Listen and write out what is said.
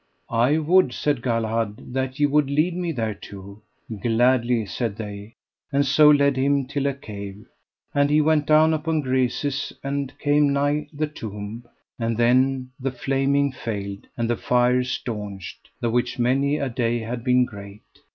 I would, said Galahad, that ye would lead me thereto. Gladly, said they, and so led him till a cave. And he went down upon greses, and came nigh the tomb. And then the flaming failed, and the fire staunched, the which many a day had been great.